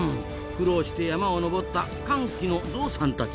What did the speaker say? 苦労して山を登った「乾季」のゾウさんたち。